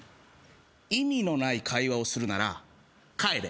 意味のない会話をするなら帰れ。